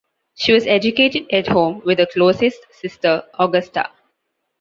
She was educated at home with her closet sister Augusta.